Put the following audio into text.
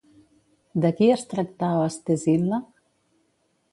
De qui es tractava Ctesil·la?